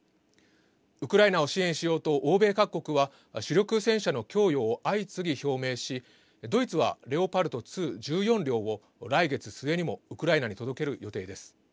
ウクライナを支援しようと欧米各国は主力戦車の供与を相次ぎ表明し、ドイツはレオパルト２１４両を来月末にもウクライナに届ける予定です。